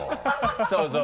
そうそう。